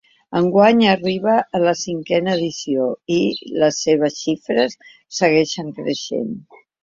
Enguany arriba a la cinquena edició i les seves xifres segueixen creixent.